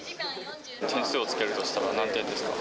点数をつけるとしたら何点ですか？